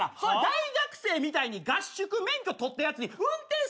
大学生みたいに合宿免許取ったやつに運転させられへんからさ。